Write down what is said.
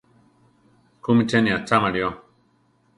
¿Kúmi cheni acháma lío?